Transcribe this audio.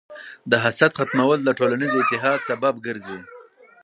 د حسد ختمول د ټولنیز اتحاد سبب ګرځي.